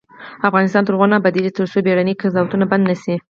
افغانستان تر هغو نه ابادیږي، ترڅو بیړني قضاوتونه بند نشي.